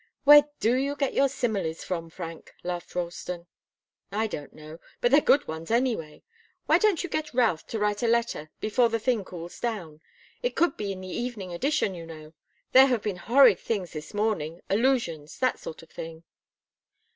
"Where do you get your similes from, Frank!" laughed Ralston. "I don't know. But they're good ones, anyway. Why don't you get Routh to write a letter, before the thing cools down? It could be in the evening edition, you know. There have been horrid things this morning allusions that sort of thing."